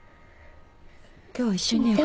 今日一緒に寝ようか。